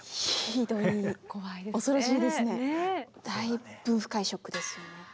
だいぶ深いショックですよね。